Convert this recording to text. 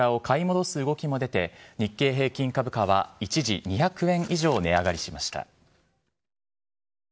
割安感のある銘柄を買い戻す動きも出て、日経平均株価は、一時２００円以上値上がりしました。